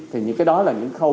thì những cái đó là những khâu